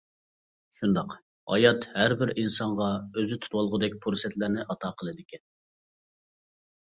شۇنداق ھايات ھەربىر ئىنسانغا ئۆزى تۇتۇۋالغۇدەك پۇرسەتلەرنى ئاتا قىلىدىكەن.